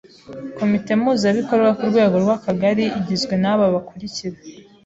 Komite Mpuzabikorwa ku rwego rw’Akagari igizwe n’aba bakurikira: